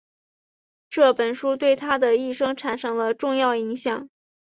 这本书对他的一生产生了重要影响。